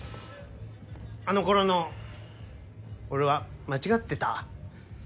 あのころの俺は間違ってた。